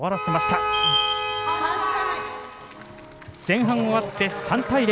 前半終わって３対０。